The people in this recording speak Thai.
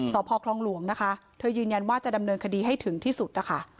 สพคลองหลวงนะคะเธอยืนยันว่าจะดำเนินคดีให้ถึงที่สุดนะคะ